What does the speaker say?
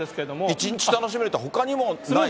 一日楽しめるって、ほかにもない？